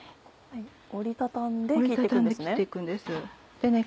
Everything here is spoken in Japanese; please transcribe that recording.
折り畳んで切って行くんですね。